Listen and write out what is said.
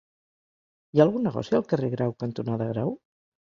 Hi ha algun negoci al carrer Grau cantonada Grau?